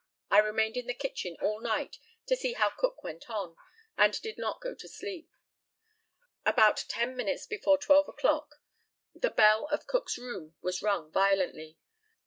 I remained in the kitchen all night, to see how Cook went on, and did not go to sleep. About ten minutes before twelve o'clock the bell of Cook's room was rung violently.